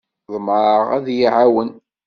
Ḍemɛeɣ ad iyi-iɛawen.